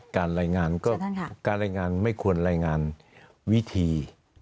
การรายงานก็ไม่ควรรายงานวิธี